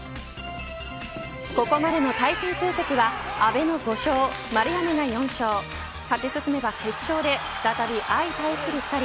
ここまでの対戦成績は阿部の５勝、丸山が４勝勝ち進めば決勝で再び相対する２人。